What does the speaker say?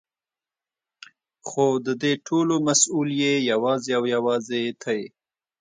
خو ددې ټولو مسؤل يې يوازې او يوازې ته يې.